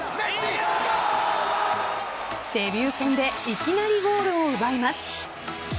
デビュー戦でいきなりゴールを奪います。